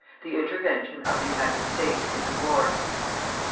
THE INTERVENTION OF THE UNITED STATES IN THE WAR.